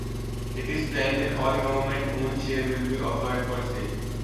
It is planned that all the Government-owned shares will be offered for sale.